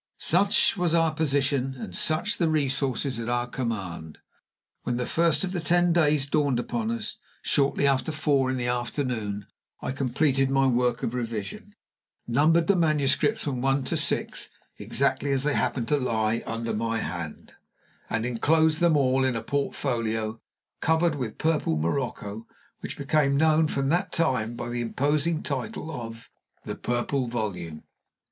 Such was our position, and such the resources at our command, when the first of the Ten Days dawned upon us. Shortly after four in the afternoon I completed my work of revision, numbered the manuscripts from one to six exactly as they happened to lie under my hand, and inclosed them all in a portfolio, covered with purple morocco, which became known from that time by the imposing title of The Purple Volume.